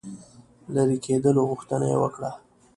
لیري کېدلو غوښتنه یې وکړه.